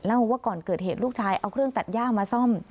ว่าก่อนเกิดเหตุลูกชายเอาเครื่องตัดย่ามาซ่อม